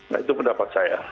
nah itu pendapat saya